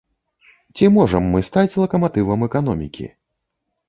Ці можам мы стаць лакаматывам эканомікі?